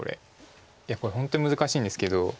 いやこれ本当難しいんですけど。